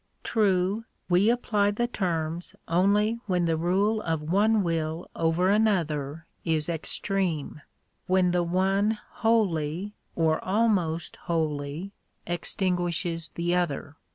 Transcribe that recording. True, we apply the terms only when the rule of one will over another is extreme — when the one wholly, or almost wholly extinguishes the other.